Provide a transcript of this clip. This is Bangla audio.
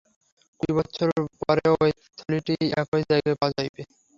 কুড়ি বৎসর পরেও ঐ থলিটি একই জায়গায় পাওয়া যাইবে।